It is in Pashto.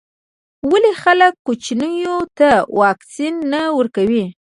ولي خلګ کوچنیانو ته واکسین نه ورکوي.